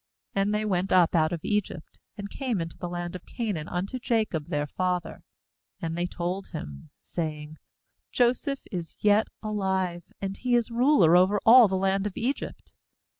^And they went up out of Egypt, and came into the knd of Canaan unto Jacob their father. 26And they told him, saying: 'Joseph is yet alive, and he is ruler over all the land of Egypt.'